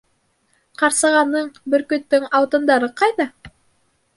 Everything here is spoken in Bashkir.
— Ҡарсығаның, бөркөттөң алтындары ҡайҙа?